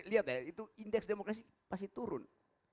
lihat ya itu indeks demokrasi pasti turun